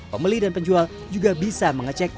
pembeli dan penjual juga bisa mengecek